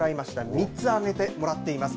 ３つ挙げてもらっています。